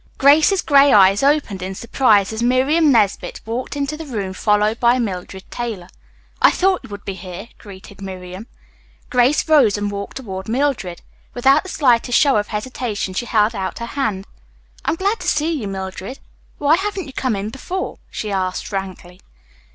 Grace's gray eyes opened in surprise as Miriam Nesbit walked into the room followed by Mildred Taylor. "I thought you would be here," greeted Miriam. Grace rose and walked toward Mildred. Without the slightest show of hesitation she held out her hand. "I am glad to see you, Mildred. Why haven't you come in before?" she asked frankly.